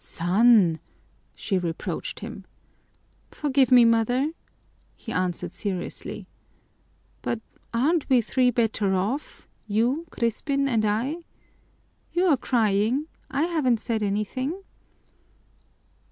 "Son!" she reproached him. "Forgive me, mother," he answered seriously. "But aren't we three better off you, Crispin, and I? You're crying I haven't said anything."